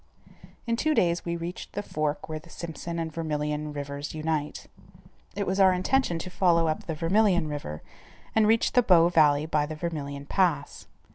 In two days we reached the fork where the Simpson and Vermilion rivers unite. It was our intention to follow up the Vermilion River and reach the Bow valley by the Vermilion Pass.